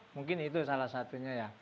mungkin itu salah satunya ya